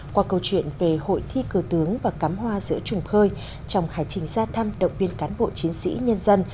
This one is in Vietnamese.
qua câu chuyện về hội thi cử tướng và cắm hoa giữa trùng khơi trong hải trình ra thăm động viên cán bộ chiến sĩ nhân dân